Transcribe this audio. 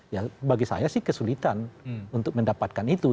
ya bagi saya sih kesulitan untuk mendapatkan itu